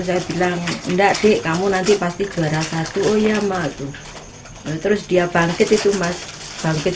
saya bilang enggak dik kamu nanti pasti juara satu oh ya mas terus dia bangkit itu mas bangkit